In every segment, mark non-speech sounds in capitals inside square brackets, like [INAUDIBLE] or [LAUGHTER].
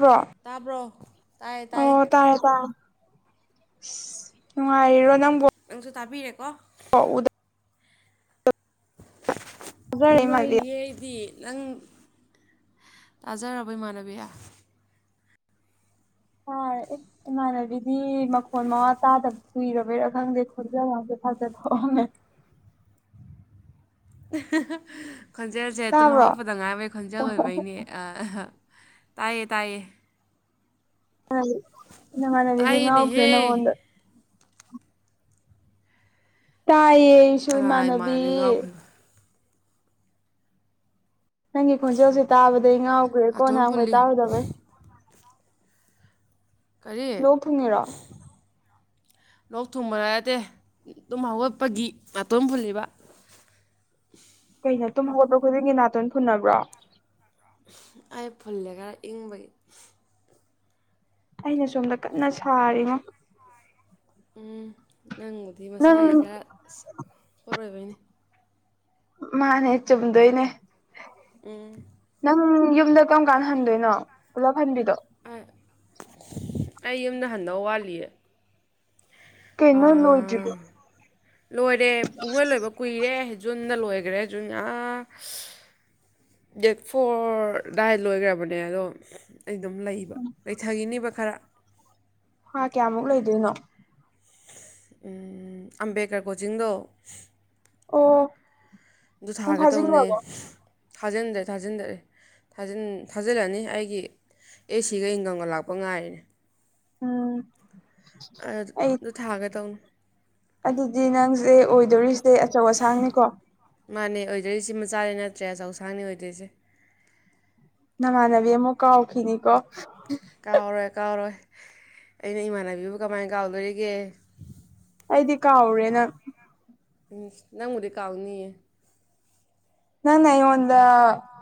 ꯍꯣ ꯇꯥꯕ꯭ꯔꯣ ꯇꯥꯏꯌꯦ ꯑꯣ ꯇꯥꯏꯌꯦ ꯇꯥꯏꯌꯦ ꯅꯨꯡꯉꯥꯏꯔꯤꯔꯣ ꯅꯪ ꯑꯗꯨ ꯇꯥꯕꯤꯔꯦꯀꯣ ꯍ ꯎꯗ ꯎꯖꯔꯦ ꯏꯃꯥꯟꯕꯤ ꯅꯨꯡꯉꯥꯏꯔꯤꯌꯦ ꯑꯩꯗꯤ ꯅꯪ ꯇꯥꯖꯔꯕ ꯏꯃꯥꯟꯅꯕꯤ ꯑ ꯑꯦ ꯏꯃꯥꯟꯅꯕꯤꯗꯤ ꯃꯈꯣꯟ ꯃꯉꯥ ꯇꯥꯗꯕ ꯀꯨꯏꯔꯕꯣꯏꯔꯥ ꯈꯪꯗꯦ ꯈꯣꯟꯖꯦꯜ ꯉꯁꯦ ꯐꯥꯖꯊꯣꯛꯑꯣ ꯅꯍꯅꯦ [UNINTELLIGIBLE] ꯈꯣꯟꯖꯦꯜꯁꯦ ꯑꯗꯨꯝ ꯇꯥꯕ꯭ꯔꯣ ꯍꯧꯒꯠꯄꯗ ꯉꯥꯏꯕꯩ ꯈꯣꯟꯖꯦꯜ ꯑꯣꯏꯕꯩꯅꯦ ꯇꯌꯦ ꯇꯥꯏꯌꯦ ꯇꯥꯏꯌꯦꯅꯦꯍꯦ ꯃꯅꯕꯤꯗꯤꯉꯈꯅꯗ ꯇꯥꯏꯌꯦꯁꯨ ꯀꯅꯥ ꯏꯃꯥꯟꯅꯕꯤ ꯉꯥꯎꯈ꯭ꯔꯤꯕ ꯅꯪꯒꯤ ꯈꯣꯟꯖꯦꯜꯁꯦ ꯇꯥꯕꯗꯩ ꯉꯥꯎꯈꯦ ꯀꯣꯟ ꯅꯥꯇꯣꯟ ꯅꯝꯈꯩ ꯐꯨꯜꯂꯤ ꯇꯥꯔꯨꯗꯕꯦ ꯀꯔꯤ ꯂꯣꯊꯅꯔꯥ ꯂꯣꯛ ꯊꯨꯝꯕꯔꯠꯇꯦ ꯑꯗꯨꯨꯝ ꯍꯧꯒꯠꯄꯒꯤ ꯃꯇꯇꯣꯟ ꯐꯨꯜꯂꯤꯕ ꯀꯩꯅ ꯇꯨꯝ ꯍꯧꯒꯠꯄ ꯈꯨꯗꯤꯡꯒꯤ ꯅꯥꯇꯣꯟ ꯐꯨꯟꯅꯅꯕ꯭ꯔꯣ ꯑꯩ ꯐꯨꯜꯂꯦ ꯈꯔ ꯏꯪꯕꯒꯤ ꯑꯩꯅ ꯁꯣꯝꯗ ꯀꯟꯅ ꯁꯥꯔꯤꯅꯣ ꯎꯝ ꯅꯪꯕꯨꯗꯤ ꯅꯪ ꯃꯁꯥꯒꯤ ꯈꯔ ꯄꯣꯠꯣꯏꯕꯩꯅꯤ ꯃꯥꯅꯦ ꯆꯨꯝꯗꯣꯏꯅꯦ ꯎꯝ ꯎꯝ ꯌꯨꯝꯗ ꯀꯔꯝ ꯀꯥꯟꯗ ꯍꯟꯗꯣꯏꯅꯣ ꯄꯨꯂꯞ ꯍꯟꯕꯤꯗꯣ ꯑꯩ ꯌꯨꯝꯗ ꯍꯟꯗꯧ ꯋꯥꯠꯂꯤꯌꯦ ꯀꯩꯅꯣ ꯂꯣꯏꯗ꯭ꯔꯤꯕꯣ ꯂꯣꯏꯔꯦ ꯄꯨꯡꯂꯣꯏ ꯂꯣꯏꯕ ꯀꯨꯏꯔꯦ ꯗ ꯂꯣꯏꯈ꯭ꯔꯦ ꯖꯨ ꯗꯦꯠ ꯐꯣꯔ ꯗꯥꯏ ꯂꯣꯏꯈ꯭ꯔꯕꯅꯦ ꯑꯗꯣ ꯑꯩ ꯑꯗꯨꯝ ꯂꯩꯕ ꯂꯩꯊꯈꯤꯅꯦꯕ ꯈꯔ ꯍꯥ ꯀꯌꯥꯃꯨꯛ ꯂꯩꯗꯣꯏꯅꯣ ꯑꯝꯕꯦꯀꯔ ꯀꯣꯖꯤꯡꯗꯣ ꯑꯣ ꯑꯗꯨ ꯅꯪ ꯊꯥꯒ ꯇꯧꯅꯦ ꯊꯥꯖꯤꯟꯈ꯭ꯔꯕꯣ ꯊꯥꯖꯤꯟꯗ꯭ꯔꯦ ꯊꯥꯖꯤꯟꯗ꯭ꯔꯦ ꯊꯥꯖꯤꯜꯂꯅꯤ ꯑꯩꯒꯤ ꯑꯦ ꯁꯤꯒ ꯏꯟꯒꯝꯒ ꯂꯥꯛꯄ ꯉꯥꯏꯔꯤꯅꯦ ꯎꯝ ꯑꯩ ꯑꯗꯨ ꯊꯥꯒ ꯇꯧꯅ ꯑꯗꯨꯗꯤ ꯅꯪꯁꯦ ꯑꯣꯏꯗꯣꯔꯤꯁꯦ ꯑꯆꯧ ꯑꯁꯥꯡꯅꯤꯀꯣ ꯃꯥꯅꯦ ꯑꯣꯏꯗꯣꯏꯁꯤ ꯃꯆꯥꯅꯤ ꯅꯠꯇ꯭ꯔꯦ ꯆꯧꯁꯥꯡꯅꯤ ꯑꯣꯏꯗꯣꯏꯁꯦ ꯅꯃ ꯅꯕꯤ ꯑꯃꯨ ꯀꯥꯎ ꯈꯅꯤ ꯀꯣ ꯀꯥꯎꯔꯣꯏ ꯀꯥꯎꯔꯣꯏ ꯑꯩꯅ ꯏꯃꯥꯟꯅꯕꯤꯕꯨ ꯀꯃꯥꯏ ꯀꯥꯎꯗꯣꯔꯤꯒꯦ ꯀꯗꯤ ꯀꯥꯥꯎꯔꯦꯅ ꯎꯝ ꯅꯪꯕꯨꯗꯤ ꯀꯥꯎꯅꯤꯌꯦ ꯅꯪꯅ ꯑꯩꯉꯣꯟꯗ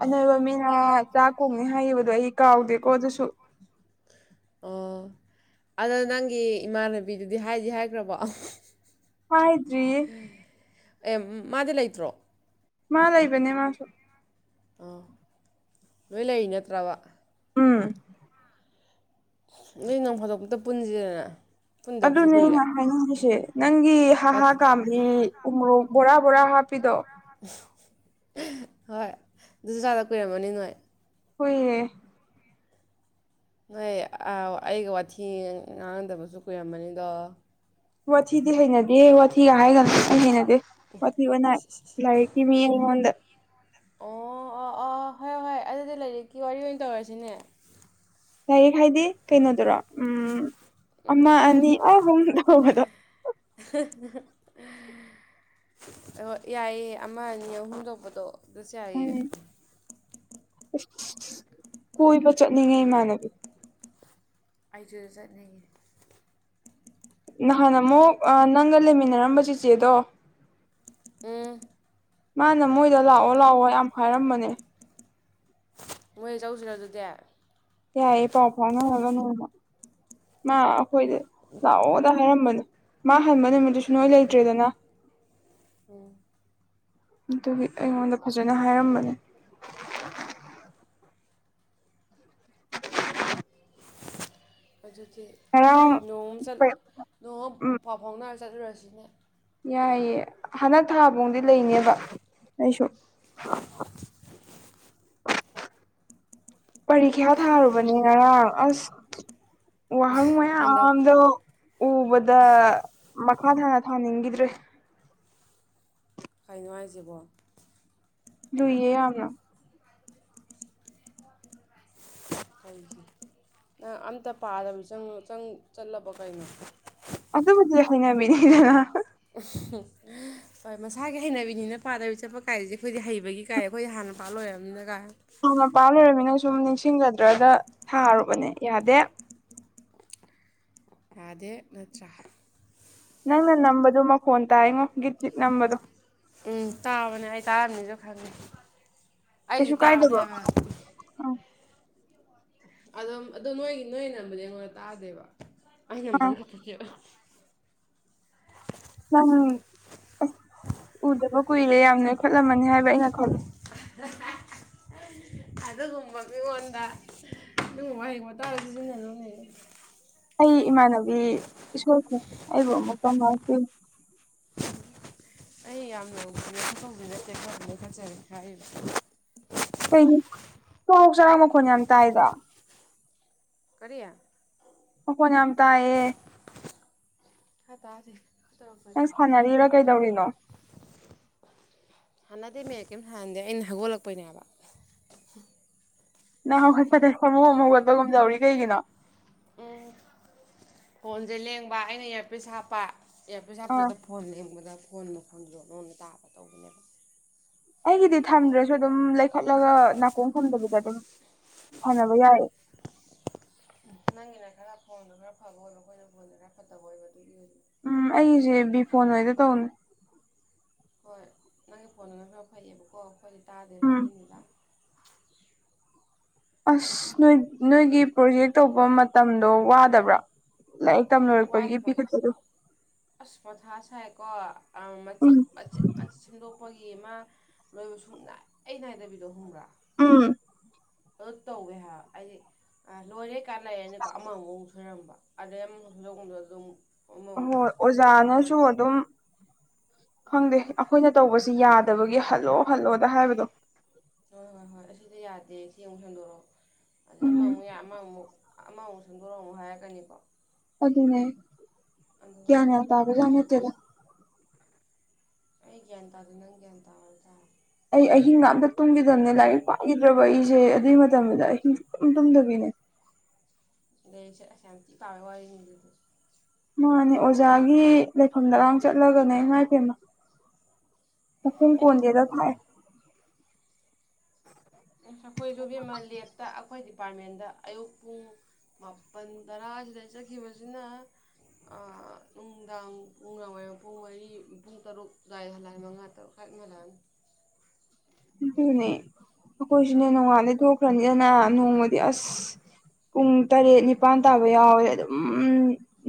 ꯑꯅꯣꯏꯕ ꯃꯤꯅ ꯆꯥꯛꯀꯣꯡꯅꯤ ꯍꯥꯏꯈꯤꯕꯗꯣ ꯑꯩ ꯀꯥꯎꯗꯦꯀꯣ ꯑꯗꯨꯁꯨ [UNINTELLIGIBLE] ꯑꯣ ꯑꯗꯣ ꯅꯪꯒꯤ ꯏꯃꯥꯟꯅꯕꯤꯗꯨꯗꯤ ꯍꯥꯏꯗꯤ ꯍꯥꯏꯈ꯭ꯔꯕꯣ ꯍꯗ꯭ꯔꯤ ꯑꯦ ꯃꯥꯗꯤ ꯂꯩꯇ꯭ꯔꯣ ꯃꯥ ꯂꯩꯕꯅꯦ ꯃꯥꯁꯨ ꯑꯥ ꯂꯣꯏ ꯂꯩ ꯅꯠꯇ꯭ꯔꯕ ꯎꯝ ꯅ ꯅꯣꯡ ꯐꯥꯗꯣꯛꯄꯛꯇ ꯄꯨꯟꯁꯤꯔꯅ ꯑꯗꯨꯅꯦꯩꯅ ꯍꯥꯏꯅꯤꯡꯉꯤꯁꯦ ꯅꯪꯒꯤ ꯋꯥꯠ ꯍꯥꯍꯥ ꯀꯥꯝꯕꯤ ꯎꯔꯣꯛ ꯕꯣꯔꯥ ꯕꯣꯔꯥ ꯍꯥꯞꯄꯤꯗꯣ ꯍꯣꯏ ꯑꯗꯨꯁꯨ ꯆꯥꯗ ꯀꯨꯏꯔꯝꯃꯅꯤ ꯅꯣꯏ ꯍꯣꯏꯌꯦ ꯅꯣꯏ ꯑꯩꯒ ꯋꯥꯊꯤ ꯉꯥꯡꯗꯕꯁꯨ ꯀꯨꯏꯔꯝꯕꯅꯤꯗꯣ ꯋꯥꯊꯤꯗꯤ ꯍꯩꯅꯗꯦ ꯋꯥꯊꯤꯒ ꯍꯥꯏꯔꯒꯅ ꯀ ꯍꯩꯅꯗꯦ ꯄꯊꯕ ꯅ ꯂꯥꯏꯇꯤ ꯃꯤꯉꯣꯟꯗ ꯑꯣ ꯑꯣ ꯑꯣ ꯍꯣꯏ ꯍꯣꯏ ꯑꯗꯨꯗꯤ ꯂꯥꯏꯔꯤꯛꯀꯤ ꯋꯥꯔꯤ ꯑꯣꯏꯅ ꯇꯧꯔꯁꯤꯅꯦ ꯌꯥꯔꯤ ꯍꯥꯏꯗꯤ ꯀꯩꯅꯣꯗꯨꯔꯣ ꯎꯝ ꯑꯃ ꯑꯅꯤ ꯑ ꯍꯗ ꯑ ꯌꯥꯏꯌꯦꯦ ꯑꯃ ꯑꯅꯤ ꯑꯍꯨꯝ ꯂꯧꯕꯗꯣ ꯑꯗꯨꯖꯌꯦ ꯎꯝ ꯀꯣꯏꯕ ꯆꯠꯅꯤꯡꯉꯦ ꯏꯃꯥꯟꯅꯕꯤ ꯑꯥꯏꯖ ꯆꯠꯅꯤ ꯅꯍꯥꯟ ꯑꯃꯨꯛ ꯅꯪꯒ ꯂꯩꯃꯤꯟꯅꯔꯝꯕ ꯆꯤꯆꯦꯗꯣ ꯎꯝ ꯃꯥꯅ ꯃꯣꯏꯗ ꯂꯥꯛꯑꯣ ꯂꯥꯛꯑꯣ ꯌꯥꯝ ꯍꯥꯏꯔꯝꯕꯅꯦ ꯃꯣꯏ ꯆꯧꯁꯤꯔ ꯑꯗꯨꯗꯤ ꯍ ꯄꯥꯎ ꯐꯥꯎꯅ ꯍꯂꯣ ꯅ ꯃꯥ ꯑꯩꯈꯣꯏꯗ ꯂꯥꯛꯑꯣꯗ ꯍꯥꯏꯔꯝꯕꯅꯤ ꯃꯥ ꯍꯟꯕ ꯅꯨꯃꯤꯠ ꯑꯗꯨꯁꯅꯣ ꯆꯜꯇꯔꯤꯗꯅ ꯑꯗꯨꯒꯤ ꯑꯩꯉꯣꯟꯗ ꯐꯖꯅ ꯍꯥꯏꯔꯝꯕꯅꯦ ꯑꯗꯨꯗꯤ ꯉꯔꯥꯡ ꯅꯣꯡ ꯆ ꯅꯣꯡꯃ ꯄꯥꯎ ꯐꯥꯎꯅꯔ ꯆꯠꯂꯨꯔꯁꯤꯅꯦ ꯌꯥꯏꯑꯦ ꯍꯟꯗꯛ ꯊꯥꯕꯧꯗꯤ ꯂꯩꯅꯦꯕ ꯑꯩꯁꯨ ꯄꯔꯤꯈ꯭ꯌꯥ ꯊꯥꯔꯨꯕꯅꯦ ꯉꯔꯥꯡ ꯑꯁ ꯋꯥꯍ ꯅꯪꯗꯧ ꯃꯌꯥꯝꯗ ꯎꯕꯗ ꯑ ꯍꯅ ꯍꯥꯟ ꯍꯒꯗ꯭ꯦ ꯍꯥꯏ ꯅꯨꯡꯉꯥꯏꯖꯕ ꯂꯨꯏꯌꯦ ꯌꯥꯝꯅ ꯍ ꯅꯪ ꯑꯝꯇ ꯄꯥꯗꯕꯁꯨ ꯆꯪ ꯆꯠꯂꯕ ꯀꯩꯅꯣ ꯑꯗꯨ ꯑꯗꯨꯕꯨꯗꯤꯁꯤꯅ ꯃꯤꯅꯤꯗꯅ [UNINTELLIGIBLE] ꯍꯣꯏ ꯃꯁꯥꯒꯤ ꯍꯩꯅꯕꯤꯅꯤꯅ ꯄꯥꯗꯕꯤ ꯆꯠꯄ ꯀꯥꯏꯁꯦ ꯑꯩꯈꯣꯏꯗꯤ ꯍꯩꯕꯒꯤ ꯀꯥꯏ ꯑꯩꯈꯣꯏꯗꯤ ꯍꯥꯟꯅ ꯄꯥꯜꯣꯏꯔꯕꯝꯅꯤꯅ ꯀꯥꯏ ꯍꯥꯟꯅꯄꯥꯥꯝ ꯂꯩꯣꯏꯔꯃꯤꯅꯪ ꯁꯨꯝ ꯅꯤꯡꯁꯤꯡꯖꯗ꯭ꯔꯒ ꯊꯥꯔꯨꯕꯅꯦ ꯌꯥꯗꯦ ꯌꯥꯗꯦ ꯅꯠꯇ꯭ꯔꯥ ꯅꯪꯅ ꯅꯝꯕꯗꯨ ꯃꯈꯣꯟ ꯇꯥꯏꯉꯣ ꯒꯤꯠ ꯒꯤꯠ ꯅꯝꯕꯗꯣ ꯎꯝ ꯇꯥꯕꯅꯦ ꯑꯩ ꯇꯥꯔꯝꯅꯤꯖꯨ ꯈꯪꯉꯦ ꯑꯩꯒꯤ ꯀꯩꯁꯨ ꯇꯥꯕꯅꯦ ꯀꯥꯏꯗꯕ ꯍꯥꯏꯕ ꯑꯥ ꯑꯗꯨꯝ ꯑꯗꯨ ꯅꯣꯏꯒꯤ ꯅꯣꯏ ꯅꯝꯕꯗꯤ ꯑꯩꯉꯣꯟꯗ ꯇꯥꯗꯦꯕ ꯑꯩ ꯑꯥ ꯅꯝꯕꯖꯤ ꯈꯠꯇꯅꯦ ꯑꯍ ꯅꯪ ꯑꯁ ꯎꯨꯗꯕ ꯀꯨꯏꯔꯦ ꯌꯥꯝ ꯅꯣꯏꯈꯠꯂꯝꯃꯅꯤ ꯍꯥꯏꯕ ꯕ꯭ꯔꯥ ꯑꯩꯅ ꯈꯜꯂꯤ ꯑꯗꯨꯒꯨꯝꯕ ꯃꯤꯉꯣꯟꯗ ꯑꯗꯨꯒꯨꯝꯕ ꯋꯥꯍꯩ ꯋꯥꯇꯥꯗꯣ ꯁꯤꯖꯤꯟꯅꯅꯨꯅꯦ ꯑꯩ ꯏꯃꯥꯟꯅꯕꯤ ꯏꯁꯣꯔꯁꯦ ꯑꯩꯕꯨ ꯑꯃꯨꯛ ꯇꯧꯅꯔꯁꯤ ꯑꯩ ꯌꯥꯝꯅ ꯕꯨꯗꯤ ꯅꯣꯏꯈꯠꯄꯕꯨꯗꯤ ꯅꯠꯇꯦ ꯈꯔꯗꯤ ꯅꯣꯏꯈꯠꯆꯔꯦ ꯈꯔ ꯍꯥꯏꯔꯤꯕ ꯀꯩ ꯁꯣꯛ ꯆꯔꯥꯡ ꯃꯈꯣꯟ ꯌꯥꯝ ꯇꯥꯏꯗ ꯀꯔꯤ ꯃꯈꯣꯟ ꯌꯥꯝ ꯇꯥꯏꯌꯦ ꯈꯔ ꯇꯥꯁꯤ ꯅꯪ ꯁꯥꯟꯅꯔꯤꯔꯥ ꯀꯩꯗꯧꯔꯤꯅꯣ [UNINTELLIGIBLE] ꯍꯥꯅꯠ ꯇꯩ ꯃꯌꯦꯛ ꯀꯩꯝ ꯁꯥꯟꯗꯦ ꯑꯩꯅ ꯍꯧꯒꯠꯂꯛꯄꯩꯅꯦ ꯍꯥꯏꯕ ꯅꯪ ꯍꯧꯒꯠꯄꯗꯩ ꯍꯣꯃꯣ ꯑꯃ ꯍꯧꯒꯠꯄꯒꯨꯝ ꯇꯧꯔꯤ ꯀꯩꯒꯤꯅꯣ ꯎꯝ ꯐꯣꯟꯖꯦ ꯂꯦꯡꯕ ꯑꯩꯅ ꯏꯌꯥꯔꯄꯤꯁ ꯍꯥꯞꯄ ꯑꯦꯌꯥꯔꯄꯤꯁ ꯑꯥ ꯍꯥꯞꯄꯗꯨꯗ ꯐꯣꯟ ꯂꯦꯡꯕꯗ ꯐꯣꯟ ꯃꯈꯣꯟꯗꯣ ꯑꯗꯣꯟꯗ ꯇꯥꯕ ꯇꯧꯕꯅꯦꯕ ꯑꯩꯒꯤꯗꯤ ꯊꯝꯗ꯭ꯔꯁꯨ ꯑꯗꯨꯝ ꯂꯩꯈꯠꯂꯒ ꯅꯥꯀꯣꯡ ꯊꯝꯗꯕꯤꯗ ꯑꯗꯨꯝ ꯁꯥꯟꯅꯕ ꯌꯥꯏꯌꯦ ꯎꯝ ꯅꯪꯒꯤꯅ ꯈꯔ ꯐꯣꯟꯗꯣ ꯈꯔ ꯐꯕ ꯑꯣꯏꯕ ꯑꯩꯈꯣꯏꯅ ꯐꯣꯟꯗꯣ ꯈꯔ ꯐꯠꯇꯕ ꯑꯣꯏꯕ ꯑꯗꯨꯒꯤ ꯎꯝ ꯑꯩꯒꯤꯁꯦ ꯕꯤꯐꯣꯟ ꯑꯣꯏꯗ ꯇꯧꯅꯦ ꯍꯣꯏ ꯅꯪꯒꯤ ꯐꯣꯟꯗꯨꯅ ꯈꯔ ꯐꯩꯌꯦꯕꯀꯣ ꯑꯩꯈꯣꯏꯗꯤ ꯇꯥꯗꯦꯕ ꯎꯝ ꯑꯗꯨꯏꯅꯤꯗ ꯑꯁ ꯅꯣꯏ ꯅꯣꯏꯒꯤ ꯄ꯭ꯔꯣꯖꯦꯛ ꯇꯧꯕ ꯃꯇꯝꯗꯣ ꯋꯥꯗꯕ꯭ꯔꯥ ꯂꯥꯏꯔꯤꯛ ꯇꯝ ꯋꯥꯏ ꯂꯣꯏꯔꯛꯄꯒꯤ ꯄꯤꯈꯠꯄꯗꯣ ꯑꯁ ꯃꯊꯥ ꯁꯥꯏꯀꯣ ꯑꯥ ꯎꯝ ꯃꯆꯤꯠ ꯃꯆꯤꯠ ꯃꯆꯤꯠ ꯁꯦꯝꯗꯣꯛ ꯄꯒꯤ ꯑꯃ ꯂꯣꯏꯕ ꯁꯨꯡꯅꯥꯏ ꯅꯥꯏꯗꯕꯤꯗꯣ ꯈꯪꯕ꯭ꯔꯥ ꯎꯝ ꯑꯗꯨ ꯇꯧꯋꯦ ꯍꯥꯏꯕ ꯑꯩꯗꯤ ꯑ ꯂꯣꯏꯔꯦ ꯀꯥꯟ ꯂꯩꯔꯅꯤ ꯀꯣ ꯑꯃꯃꯨꯛ ꯁꯣꯏꯔꯝꯕ ꯑꯗꯩ ꯑꯃ ꯁꯦꯝꯗꯣꯛꯐꯝꯗꯨꯗ ꯑꯃꯨꯛ ꯑꯃꯃꯨꯛ ꯍꯣꯏ ꯑꯁ ꯈꯪꯗꯦꯗ ꯑꯣꯖꯥꯅꯁꯨ ꯑꯗꯨꯝ ꯈꯪꯗꯦ ꯑꯈꯣꯏꯅ ꯇꯧꯕꯁꯤ ꯌꯥꯗꯕꯒꯤ ꯍꯜꯂꯣ ꯍꯜꯂꯣꯗ ꯍꯥꯏꯕꯗꯣ ꯑꯗꯩ ꯁꯤ ꯑꯃꯨꯛ ꯍꯦꯟꯗꯣꯔꯛꯑꯣ ꯑꯗꯩ ꯎꯝ ꯑꯃꯃꯨꯛ ꯌꯥꯏ ꯑꯃꯃꯨꯛ ꯑꯃꯃꯨꯛ ꯁꯦꯝꯗꯣꯔꯛꯑꯣ ꯑꯃꯨꯛ ꯍꯥꯏꯔꯛꯀꯅꯤꯀꯣ ꯑꯗꯨꯅꯦ ꯑꯗꯨꯝ ꯒ꯭ꯌꯥꯟꯒ ꯇꯥꯕ ꯀꯩ ꯖꯥꯠ ꯍꯥꯏꯅꯤ ꯅꯠꯇꯦꯗ ꯑꯩ ꯒ꯭ꯌꯥꯟ ꯇꯥꯗꯦ ꯅꯪ ꯒ꯭ꯌꯥꯟ ꯇꯥꯎ ꯍꯥꯏꯗꯣ ꯇꯥꯔꯦ ꯑꯩ ꯑꯍꯤꯡ ꯒ ꯑꯝꯇ ꯇꯨꯝꯈꯤꯗꯕꯅꯦ ꯂꯥꯏꯔꯤꯛ ꯄꯥꯈꯤꯗ꯭ꯔꯕ ꯑꯩꯁꯦ ꯑꯗꯨꯏ ꯃꯇꯝꯗꯨꯗ ꯑꯍꯤꯡ ꯁꯨꯛꯇꯨꯝ ꯇꯨꯝꯗꯕꯤꯅꯦ [INAUDIBLE] ꯂꯥꯏꯔꯤꯛꯁꯦ ꯑꯁ ꯌꯥꯝ ꯊꯤ ꯄꯥꯕꯩ ꯋꯥꯔꯤꯅꯤꯅꯦ ꯑꯗꯨꯗꯤ ꯃꯥꯅꯦ ꯑꯣꯖꯥꯒꯤ ꯂꯩꯐꯝꯗꯒꯥꯡ ꯆꯠꯂꯒꯅꯦ ꯏꯃꯥꯏꯄꯦꯝꯃ ꯈꯣꯡ ꯀꯣꯟꯗꯦꯗ ꯈꯥꯛꯑꯦ ꯑꯈꯣꯏꯖꯨ ꯏꯕꯦꯝꯃꯥ ꯂꯦꯞꯇ ꯑꯈꯣꯏ ꯗꯤꯄꯥꯔꯠꯃꯦꯟꯗ ꯑꯌꯨꯛ ꯄꯨꯡ ꯃꯥꯄꯜ ꯇꯔꯥꯁꯤꯗ ꯆꯠꯈꯤꯕꯖꯤꯅ ꯑ ꯅꯨꯡꯗꯥꯡ ꯄꯨꯡ ꯋꯥꯏꯝ ꯄꯨꯡ ꯃꯔꯤ ꯄꯨꯡ ꯇꯔꯨꯛ ꯑꯗꯨꯋꯥꯏꯗ ꯍꯜꯂꯛꯑꯅꯤ ꯃꯉꯥ ꯇꯔꯨꯛ ꯀꯟꯅ ꯂꯥꯛꯑꯅꯤ ꯑꯗꯨꯅꯦ ꯑꯈꯣꯏꯁꯨꯅꯦ ꯅꯣꯡꯉꯥꯟꯗꯩ ꯊꯣꯛꯈ꯭ꯔꯅꯤꯗꯅ ꯅꯣꯡꯃ ꯗꯤ ꯑꯁ ꯎꯝ ꯄꯨꯡ ꯇꯔꯦꯠ ꯅꯤꯄꯥꯜ ꯇꯥꯕ ꯌꯥꯎꯋꯦ ꯑꯗꯨꯝ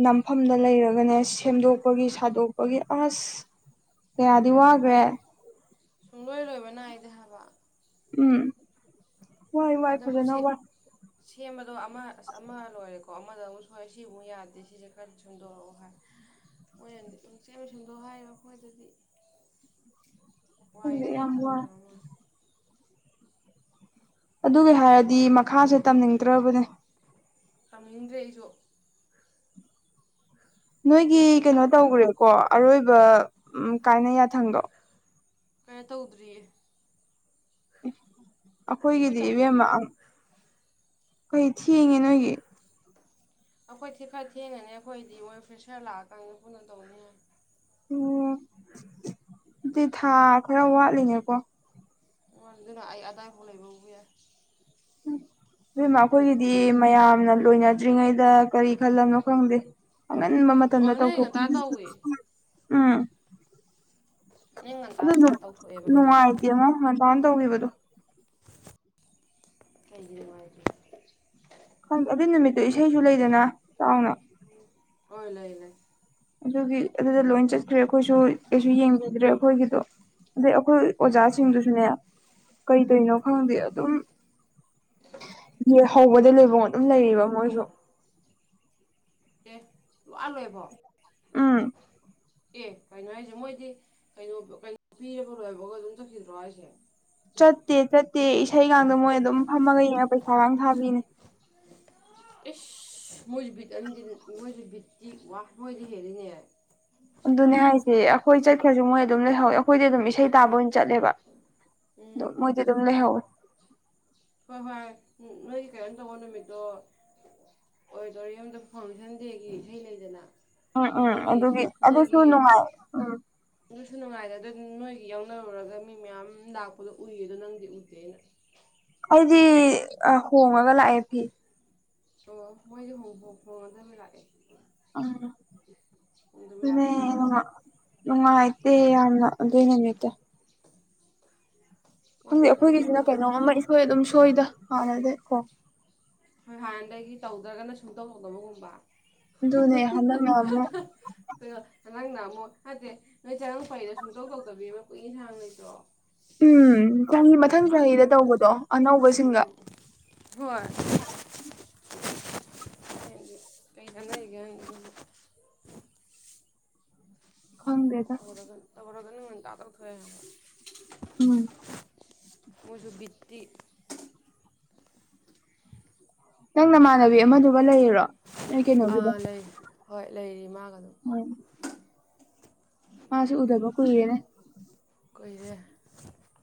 ꯅꯝꯐꯝꯗ ꯂꯩꯔꯒꯅꯦ ꯁꯦꯝꯗꯣꯛꯄꯒꯤ ꯁꯥꯗꯣꯛ ꯗꯣꯛꯄꯒꯤ ꯑꯁ ꯀꯌꯥꯗꯤ ꯋꯥꯒ꯭ꯔꯦ ꯍꯥꯏꯗꯤ ꯁꯨꯡꯂꯣꯏ ꯂꯣꯏꯕ ꯅꯥꯏꯗꯦ ꯍꯥꯏꯕ ꯎꯝ ꯋꯥꯏ ꯋꯥꯏ ꯑꯗꯨꯝ ꯐꯖꯅ ꯋꯥꯏ ꯁꯦꯝꯕꯗꯣ ꯑꯃ ꯑ ꯑꯃ ꯂꯣꯏꯔꯦꯀꯣ ꯑꯃꯗ ꯑꯃꯨꯛ ꯁꯣꯏꯑꯦ ꯁꯤꯕꯨꯨꯛ ꯌꯥꯗꯦ ꯁꯤꯁꯦ ꯀꯔ ꯁꯨꯝꯗꯣꯔꯛꯑꯣ ꯍꯥꯏ ꯃꯣꯏꯆꯦꯁꯤꯡꯗꯣ ꯍꯥꯏ ꯑꯩꯈꯣꯏꯗꯗꯤ [UNINTELLIGIBLE] ꯈꯪꯗꯦ ꯋꯥꯏꯁꯦ ꯃꯣꯏ ꯌꯥꯝ ꯋꯥꯏ ꯈꯪꯗ꯭ꯔꯕ ꯑꯃ ꯑꯗꯨꯒꯤ ꯍꯥꯏꯔꯗꯤ ꯃꯈꯥꯁꯦ ꯇꯝꯅꯤꯡꯗ꯭ꯔꯕꯅꯦ ꯑ ꯍꯗ꯭ꯔꯦ ꯑꯩꯁꯨ ꯅꯣꯏꯒꯤ ꯀꯩꯅꯣ ꯇꯧꯈ꯭ꯔꯦꯀꯣ ꯑꯔꯣꯏꯕ ꯎ ꯀꯥꯏꯅ ꯌꯥꯊꯪꯗꯣ ꯀꯩꯅ ꯇꯧꯗ꯭ꯔꯤꯌꯦ ꯑꯩꯈꯣꯏ ꯑꯩꯈꯣꯏꯒꯤꯗꯤ ꯇꯧꯗ꯭ꯔꯤꯌꯦ ꯏꯕꯦꯝꯃ ꯑꯩꯏ ꯊꯦꯡꯉꯦ ꯅꯣꯏꯒꯤ ꯑꯩꯈꯣꯏꯗꯤ ꯈꯔ ꯊꯦꯡꯉꯅꯤ ꯑꯩꯈꯣꯏꯗꯤ ꯃꯣꯏ ꯄ꯭ꯔꯦꯁꯔ ꯂꯥꯛꯑꯀꯅꯤ ꯀꯣꯏꯅ ꯇꯧꯅꯤ ꯑꯣ ꯑꯗꯨꯗꯤ ꯊꯥ ꯈꯔ ꯋꯥꯠꯂꯤꯅꯦꯀꯣ ꯋꯥꯗꯨꯅ ꯑ ꯑꯗꯥ ꯐꯣ ꯂꯩꯕꯕꯨꯏ ꯎ ꯏꯦꯝꯃ ꯑꯩꯈꯣꯏꯒꯤꯗꯤ ꯃꯌꯥꯝꯅ ꯂꯣꯏꯅꯗ꯭ꯔꯤꯉꯩꯗ ꯀꯔꯤ ꯈꯜꯂꯝꯅꯣ ꯈꯪꯗꯦ ꯑꯉꯟꯕ ꯃꯇꯝꯗ ꯑꯣ ꯅꯣꯏ ꯇꯧꯊꯣꯛꯀ ꯉꯟꯇꯥ ꯇꯧꯋꯤ ꯎꯝ ꯅꯣꯏ ꯉꯟꯇꯥ ꯑꯗꯨ ꯇꯧꯊꯣꯛꯑꯦꯕ ꯍꯟꯗꯛꯇꯤ ꯅꯨꯡꯉꯥꯏꯇꯦ ꯑꯃ ꯉꯗꯥꯅ ꯇꯧꯈꯤꯕꯗꯣ ꯑꯩꯗꯤ ꯅꯨꯡꯉꯥꯏꯕꯤ ꯑꯗꯨ ꯅꯨꯃꯤꯠꯇꯣ ꯏꯁꯩꯁꯨ ꯂꯩꯗꯅ ꯆꯥꯎꯅ ꯑꯣ ꯂꯩꯥꯏ ꯂꯩ ꯑꯗꯨꯒꯤ ꯑꯗꯨꯗ ꯂꯣꯏ ꯆꯠꯈ꯭ꯔꯦ ꯑꯩꯈꯣꯏꯁꯨ ꯀꯩꯁꯨ ꯌꯦꯡꯕꯤꯗ꯭ꯔꯦ ꯑꯩꯈꯣꯏꯒꯤꯗꯣ ꯑꯗꯩ ꯑꯩꯈꯣꯏ ꯑꯣꯖꯥꯁꯤꯡꯗꯨꯁꯨꯅꯦ ꯀꯩ ꯀꯩꯅꯣ ꯈꯪꯗꯦ ꯑꯗꯨꯝ ꯌꯦ ꯍꯧꯕꯗꯂꯩ ꯂꯣꯌ ꯐꯥꯎ ꯑꯗꯨꯝ ꯂꯩꯌꯦꯕ ꯃꯣꯏꯁꯨ ꯂ ꯂꯣꯏꯌꯦꯕꯣ ꯑꯥ ꯑꯦ ꯀꯩꯅꯣ ꯍꯥꯏꯁꯦ ꯃꯣꯏꯗꯤ ꯀꯩꯅꯣ ꯀꯩꯅꯣ ꯄꯤꯔꯕ ꯂꯣꯏꯕꯒ ꯑꯗꯨꯝ ꯆꯧꯈꯤꯗ꯭ꯔꯣ ꯍꯥꯏꯁꯦ ꯆꯠꯇꯦ ꯆꯠꯇꯦ ꯏꯁꯩꯒꯗ ꯃꯣꯏ ꯑꯗꯨꯝ ꯐꯝꯃꯒ ꯌꯦꯡꯉ ꯄꯩꯁꯥꯒ ꯊꯥꯕꯤꯅꯦ [UNINTELLIGIBLE] ꯏꯁ ꯃꯣꯏꯁꯨ ꯕꯤꯠ ꯑ ꯃꯣꯏꯁꯨ ꯕꯤꯠꯇꯤ ꯋꯥ ꯃꯣꯏꯗꯤ ꯍꯦꯜꯂꯤꯅꯦ ꯑꯗꯨꯅꯦ ꯍꯥꯏꯁꯦ ꯑꯩꯈꯣꯏ ꯆꯠꯈ꯭ꯔꯁꯨ ꯃꯣꯏ ꯑꯗꯨꯝ ꯂꯩꯍꯧꯋꯤ ꯑꯩꯈꯣꯏꯗꯤ ꯑꯗꯨꯝ ꯏꯁꯩ ꯇꯥꯕ ꯑꯣꯏꯅ ꯆꯠꯂꯦꯕ ꯑꯗꯨ ꯎꯝ ꯃꯣꯏꯗꯤ ꯑꯗꯨꯝ ꯂꯩꯍꯧꯋꯦ ꯍꯣꯏ ꯍꯣꯏ ꯎꯝ ꯅꯣꯏꯒꯤ ꯀꯩꯅꯣ ꯇꯧꯕ ꯅꯨꯃꯤꯠꯇꯣ ꯑꯣꯗꯤꯇꯣꯔꯤꯌꯝꯗ ꯐꯥꯎꯟꯗꯦꯁꯟ ꯗꯦꯒꯤ ꯏꯁꯩ ꯂꯩꯗꯅ ꯎꯝ ꯎꯝ ꯑꯗꯨꯒꯤ ꯅꯣꯏꯒꯤ ꯑꯗꯨꯁꯨ ꯅꯨꯡꯉꯥꯏ ꯎꯝ ꯅꯣꯏꯁꯨ ꯅꯨꯡꯉꯥꯏ ꯑꯗ ꯅꯣꯏꯒ ꯌꯥꯎꯅꯔꯨꯔꯒ ꯃꯤ ꯃꯌꯥꯝ ꯂꯥꯛꯄꯗꯣ ꯎꯏꯌꯦ ꯑꯗꯣ ꯅꯪꯗꯤ ꯎꯗꯦꯅ ꯗꯤ ꯍꯣꯡꯉꯒ ꯂꯥꯛꯑꯦ ꯐꯤ ꯑꯣ ꯃꯣꯏꯗꯤ ꯍꯣꯡꯐꯣꯛ ꯍꯣꯡꯉꯗꯕ ꯂꯥꯛꯑꯦ ꯑ ꯍꯣꯡꯗꯕꯤ ꯂꯥꯛꯄꯁꯨ ꯅꯨꯡꯉ ꯌꯥꯎꯋꯦꯕ ꯅꯨꯡꯉꯥꯏꯥꯏꯇꯦ ꯌꯥꯝꯅ ꯑꯗꯨꯅꯦꯅꯨꯡꯇ ꯃꯣꯏ ꯈꯪꯖꯤꯛ ꯈꯤꯇꯪ ꯑꯩꯈꯣꯏꯒꯤꯁꯤꯅ ꯀꯩꯅꯣꯝꯃ ꯏꯁꯣꯏ ꯑꯗꯨꯝ ꯁꯣꯏꯗ ꯍꯥꯟꯅꯗꯤ ꯀꯣ ꯍꯣꯏ ꯍꯥꯟꯅꯗꯒꯤ ꯇꯧꯗ꯭ꯔꯒꯅ ꯁꯨꯡꯇꯧꯔꯧꯗꯕꯒꯨꯝꯕ ꯑꯗꯨꯅꯦ ꯍꯂ ꯃꯥꯕ ꯑꯣ ꯅꯠꯇꯦ ꯅꯣꯏ ꯆꯔꯪ ꯐꯩꯗꯣ ꯁꯨꯡꯇꯧ ꯇꯧꯗꯕꯤ ꯃ ꯀꯨꯏ ꯌꯦꯟꯁꯥꯡꯉꯩꯗꯣ ꯎꯝ ꯆꯍꯤ ꯃꯊꯪ ꯆꯍꯤꯗ ꯇꯧꯕꯗꯣ ꯑꯅꯧꯕꯁꯤꯡꯒ ꯎꯝ ꯍꯣꯏ ꯎꯝ [UNINTELLIGIBLE] ꯈꯪꯗꯦꯗ [UNINTELLIGIBLE] ꯎꯝ ꯃꯁꯨ ꯕꯤꯠꯇꯤ ꯅꯪ ꯅꯃꯥꯟꯅꯕꯤ ꯑꯃꯗꯨꯒ ꯂꯩꯔꯤꯔꯣ ꯅ ꯀꯩꯅꯣꯗꯨꯒ ꯑꯥ ꯂꯩ ꯍꯣꯏ ꯂꯩꯔꯤ ꯃꯥꯒ ꯑꯗꯨꯝ ꯑꯁꯨ ꯎꯗꯕ ꯀꯒꯦꯅꯦ ꯀꯨꯏꯔꯦ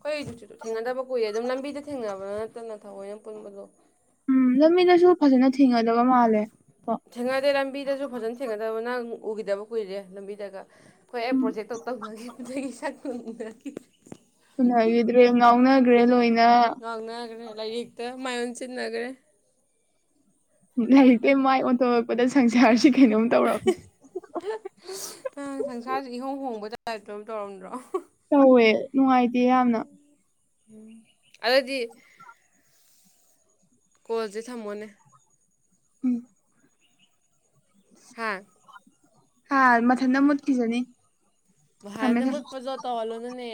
ꯀꯣꯏꯁꯨ ꯊꯦꯡꯅꯗꯕ ꯀꯨꯏꯦ ꯑꯗꯨꯝ ꯂꯝꯕꯤꯗ ꯊꯦꯡꯅꯕ ꯊ ꯅꯠꯇꯅ ꯊꯑꯣꯏꯅ ꯄꯨꯟꯕꯗꯣ ꯎꯝ ꯂꯝꯃꯤꯅꯁꯨ ꯐꯖꯅ ꯊꯤꯡꯒꯗꯕ ꯃꯥꯜꯂꯦ ꯀꯣ ꯊꯦꯡꯅꯗꯦ ꯂꯝꯕꯤꯗꯁꯨ ꯐꯖꯅ ꯊꯦꯡꯅꯗꯕ ꯅꯥꯡ ꯎꯈꯤꯗꯕ ꯀꯨꯏꯔꯦ ꯂꯝꯕꯤꯗꯒ ꯍꯣꯏ ꯑꯩ ꯎꯝ ꯄ꯭ꯔꯣꯖꯦꯛꯇꯧ ꯇꯧꯅꯈꯤ ꯆ ꯁꯅꯈꯤꯗ꯭ꯔꯦ ꯉꯥꯎꯅꯈ꯭ꯔꯦ ꯂꯣꯏꯅ ꯉꯥꯡꯅꯈ꯭ꯔꯦ ꯂꯥꯏꯔꯤꯛꯇ ꯃꯌꯣꯟꯁꯤꯟꯅꯈ꯭ꯔꯦ ꯂꯥꯏꯔꯤꯛ ꯂ ꯃꯥꯏ ꯑꯣꯟꯊꯣꯔꯛꯄꯗ ꯁꯪꯁꯥꯔꯁꯤ ꯀꯩꯅꯣꯝ ꯇꯧꯔꯕꯅꯦ ꯑꯪ ꯁꯪꯁꯥꯔꯁꯤꯦ ꯏꯍꯣꯡ ꯍꯣꯡꯕ ꯆꯥꯏꯇꯕ ꯇꯧꯔꯝꯗ꯭ꯔꯣ ꯇꯧꯋꯦ ꯅꯨꯡꯉꯥꯏꯇꯦ ꯌꯥꯝꯅ ꯎꯝ ꯑꯗꯨꯗꯤ ꯀꯣꯜꯗꯤ ꯊꯝꯃꯣꯅꯦ ꯎꯝ ꯍꯥꯥ ꯍꯥꯥ ꯃꯊꯟꯅ ꯃꯨꯠꯀꯤꯖꯅꯤ ꯥꯟꯅꯕꯨꯠꯄꯖ ꯇꯧꯍꯜꯂꯣꯅꯅꯦ